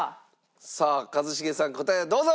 さあ一茂さん答えをどうぞ。